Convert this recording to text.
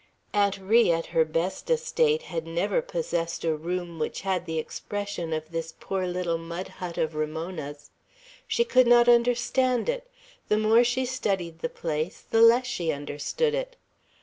Aunt Ri, at her best estate, had never possessed a room which had the expression of this poor little mud hut of Ramona's. She could not understand it. The more she studied the place, the less she understood it.